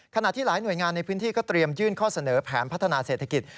ขณะที่หลายหน่วยงานในพื้นที่ก็เตรียมยื่นข้อเสนอแผนพัฒนาเศรษฐกิจ